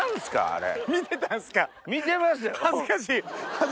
あれ。